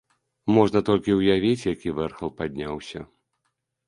Можна толькі ўявіць, які вэрхал падняўся.